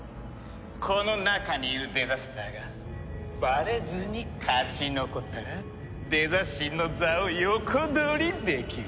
この中にいるデザスターがバレずに勝ち残ったらデザ神の座を横取りできる。